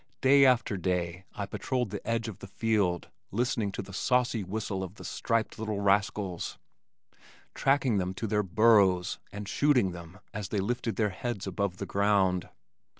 Day after day I patrolled the edge of the field listening to the saucy whistle of the striped little rascals, tracking them to their burrows and shooting them as they lifted their heads above the ground.